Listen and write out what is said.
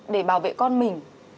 để bảo vệ con mình